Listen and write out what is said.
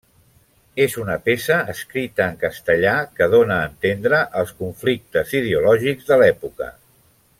És una peça escrita en castellà que dóna a entendre els conflictes ideològics de l'època.